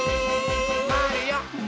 まわるよ。